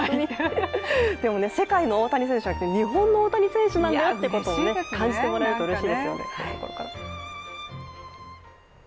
でも世界の大谷選手じゃなくて日本の大谷選手なんだよということを感じてもらえるとうれしいですよね。